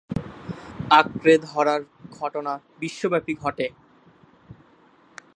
আঁকড়ে ধরার ঘটনা বিশ্বব্যাপী ঘটে।